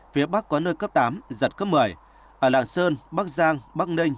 phía bắc có nơi cấp tám giật cấp một mươi